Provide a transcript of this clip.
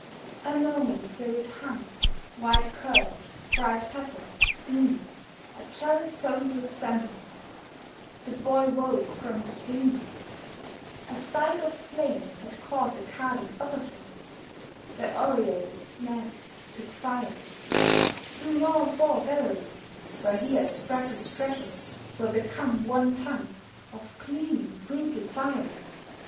A moment so it hung, wide curved, bright petalled, seeming A chalice foamed with sunrise. The Boy woke from his dreaming. A spike of flame had caught the card of butterflies, The oriole's nest took fire, soon all four galleries Where he had spread his treasures were become one tongue Of gleaming, brutal fire.